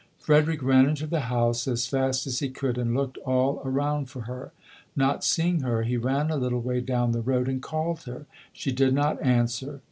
Frederick ran into the house as fast as he could and looked all around for her. Not seeing her, he ran a little way down the road and called her. She did not answer.